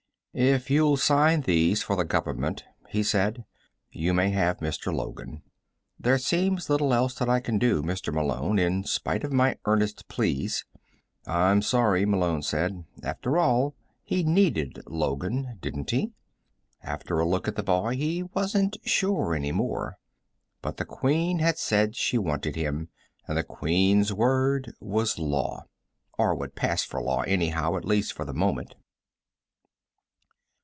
"If you'll sign these for the government," he said, "you may have Mr. Logan. There seems little else that I can do, Mr. Malone in spite of my earnest pleas " "I'm sorry," Malone said. After all, he needed Logan, didn't he? After a look at the boy, he wasn't sure any more but the Queen had said she wanted him, and the Queen's word was law. Or what passed for law, anyhow, at least for the moment.